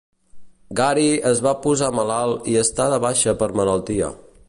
Gary es va posar malalt i està de baixa per malaltia.